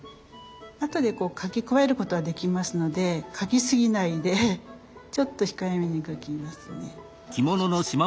後で描き加えることはできますので描きすぎないでちょっと控えめに描きますね。